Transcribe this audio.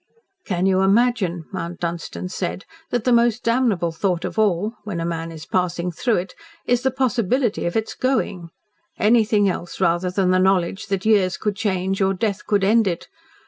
"Can you imagine," Mount Dunstan said, "that the most damnable thought of all when a man is passing through it is the possibility of its GOING? Anything else rather than the knowledge that years could change or death could end it!